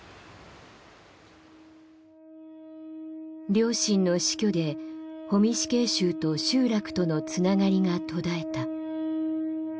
両親の死去で保見死刑囚と集落とのつながりが途絶えた。